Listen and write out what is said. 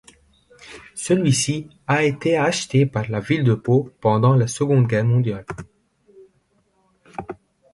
Celui-ci a été acheté par la ville de Pau pendant la Seconde Guerre mondiale.